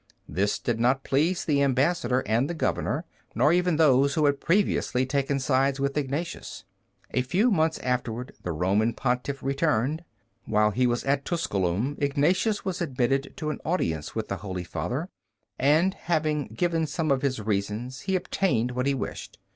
This did not please the ambassador and the governor, nor even those who had previously taken sides with Ignatius. A few months afterward the Roman Pontiff returned. While he was at Tusculum Ignatius was admitted to an audience with the Holy Father, and having given some of his reasons, he obtained what he wished.